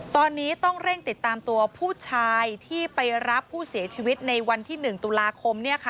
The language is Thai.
ตอนนี้ต้องเร่งติดตามตัวผู้ชายที่ไปรับผู้เสียชีวิตในวันที่๑ตุลาคม